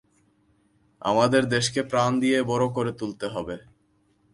আমাদের দেশকে প্রাণ দিয়ে বড়ো করে তুলতে হবে।